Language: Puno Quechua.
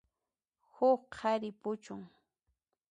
Huk qhari puchun.